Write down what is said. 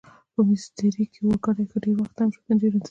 په میسترې کې اورګاډي ښه ډېر وخت تم شول، ډېر انتظار و.